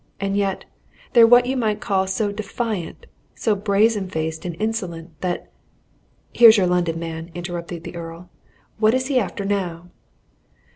And yet, they're what you might call so defiant, so brazen faced and insolent, that " "Here's your London man," interrupted the Earl. "What is he after now?"